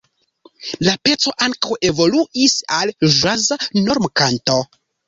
La peco ankaŭ evoluis al ĵaza normkanto.